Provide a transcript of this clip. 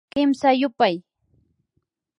Kimsa yupay